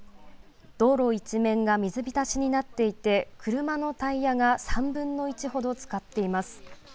道路一面が水浸しになっていて、車のタイヤが３分の１ほどつかっています。